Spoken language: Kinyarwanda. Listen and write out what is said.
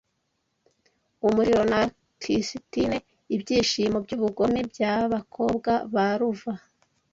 umuriro na cisitine Ibyishimo byubugome byabakobwa ba Luva